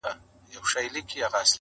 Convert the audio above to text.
چي خپل ورور ته یې هم سړی نسي ورکولای